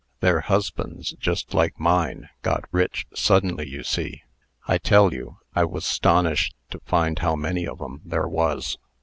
Their husbands, just like mine, got rich suddenly, you see. I tell you, I was 'stonished to find how many of 'em there was.